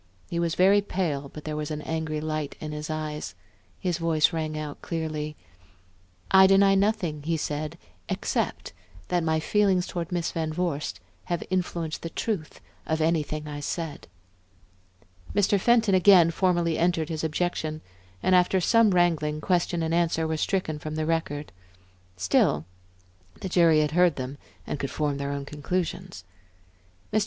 He was very pale, but there was an angry light in his eyes; his voice rang out clearly. "I deny nothing," he said, "except that my feelings toward Miss Van Vorst have influenced the truth of anything I said." Mr. Fenton again formally entered his objection, and after some wrangling, question and answer were stricken from the record. Still, the jury had heard them and could form their own conclusions. Mr.